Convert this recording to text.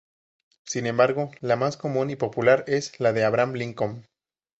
Sin embargo, la más común y popular es la de Abraham Lincoln.